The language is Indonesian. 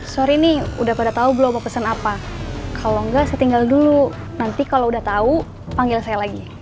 sorry nih udah pada tahu belum mau pesan apa kalau enggak saya tinggal dulu nanti kalau udah tahu panggil saya lagi